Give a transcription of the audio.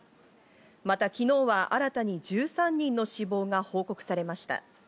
また昨日は新たに１３人の死亡が報告されました。